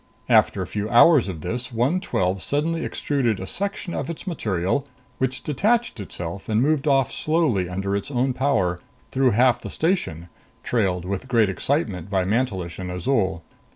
After a few hours of this, 112 suddenly extruded a section of its material, which detached itself and moved off slowly under its own power through half the station, trailed with great excitement by Mantelish and Azol.